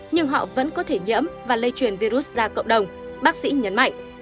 nhưng họ vẫn có thể nhiễm và lây truyền virus ra cộng đồng bác sĩ nhấn mạnh